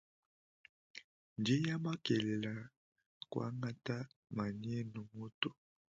Ndinya makelela kwangata mamienu mutu.